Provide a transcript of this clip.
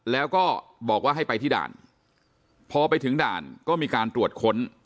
แล้วก็บอกว่าให้ไปที่ด่านพอไปถึงด่านก็มีการตรวจค้น